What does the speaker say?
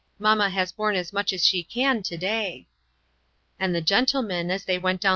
Mamma has borne as much as she can to day." And the gentlemen, as they went down WHY